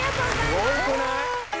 すごくない？